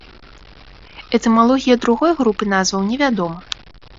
Этымалогія другой групы назваў невядома.